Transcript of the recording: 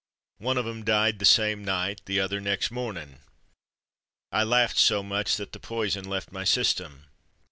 One of 'em died the same night, and the other nex' mornin'." I laughed so much that the poison left my system.